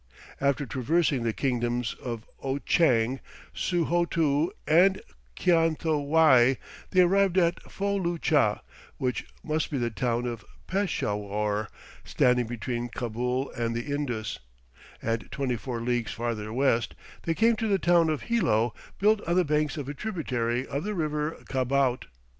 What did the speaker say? After traversing the kingdoms of On tchang, Su ho to, and Kian tho wei, they arrived at Fo loo cha, which must be the town of Peshawur, standing between Cabul and the Indus, and twenty four leagues farther west, they came to the town of Hilo, built on the banks of a tributary of the river Kabout.